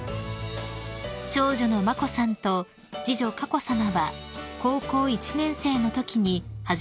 ［長女の眞子さんと次女佳子さまは高校１年生のときに初めて出席されています］